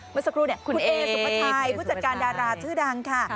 เมื่อสักครู่เนี่ยคุณเอสุภาชัยผู้จัดการดาราชื่อดังค่ะ